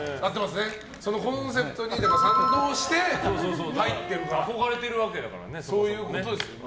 そのコンセプトに賛同して憧れているわけだからね。